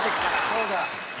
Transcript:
そうだ。